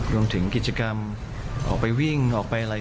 รวมถึงกิจกรรมออกไปวิ่งออกไปอะไร